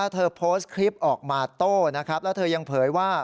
เธอโพสต์คลิปออกมาโต้นะครับแล้วเธอยังเผยว่า